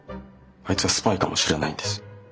あいつはスパイかもしれないんです。